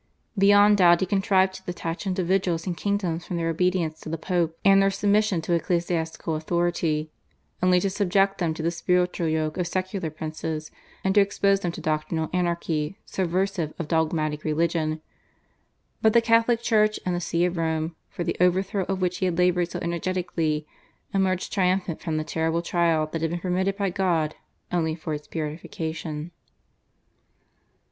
Beyond doubt he contrived to detach individuals and kingdoms from their obedience to the Pope and their submission to ecclesiastical authority only to subject them to the spiritual yoke of secular princes, and to expose them to doctrinal anarchy subversive of dogmatic religion; but the Catholic Church and the See of Rome, for the overthrow of which he had laboured so energetically, emerged triumphant from the terrible trial that had been permitted by God only for its purification.